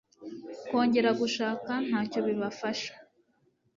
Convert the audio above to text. kongera gushaka ntacyo bibafasha